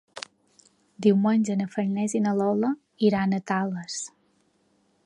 Diumenge na Farners i na Lola iran a Tales.